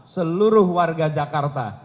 seluruh warga jakarta